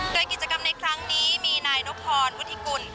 โดยกิจกรรมในครั้งนี้มีนายนพรวุฒิกุล